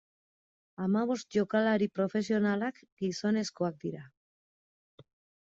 Hamabost jokalari profesionalak gizonezkoak dira.